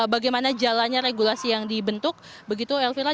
bagaimana jalannya regulasi ojek online ini